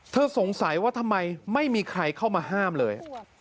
สงสัยว่าทำไมไม่มีใครเข้ามาห้ามเลย